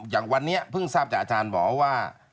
อย่างวันนี้เพิ่งทราบจากอาจารย์บอกว่า